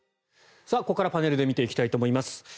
ここからパネルで見ていきたいと思います。